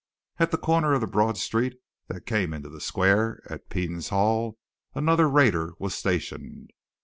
At the corner of the broad street that came into the square at Peden's hall, another raider was stationed.